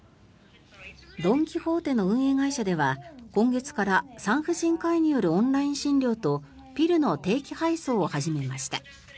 ドン・キホーテの運営会社では今月から産婦人科医によるオンライン診療とピルの定期配送を始めました。